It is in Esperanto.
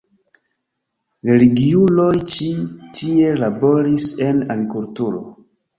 Religiuloj ĉi tie laboris en agrikulturo.